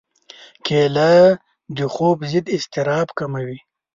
کېله د خوب ضد اضطراب کموي.